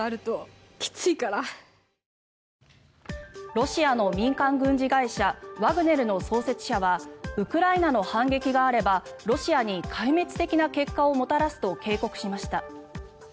ロシアの民間軍事会社ワグネルの創設者はウクライナの反撃があればロシアに壊滅的な結果をもたらすと警告しました。